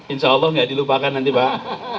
insya allah nggak dilupakan nanti pak